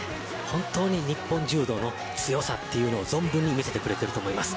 本当に日本柔道の強さを見せてくれていると思います。